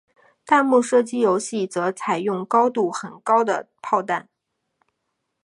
弹幕射击游戏则采用密度很高的炮弹。